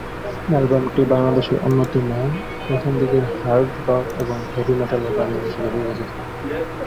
অ্যালবামটি বাংলাদেশের অন্যতম প্রথম দিকের হার্ড রক এবং হেভি মেটাল অ্যালবাম হিসাবে বিবেচিত।